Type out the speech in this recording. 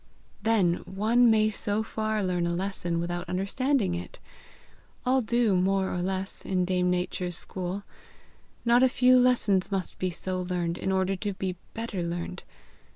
"Then one may so far learn a lesson without understanding it! All do, more or less, in Dame Nature's school. Not a few lessons must be so learned in order to be better learned.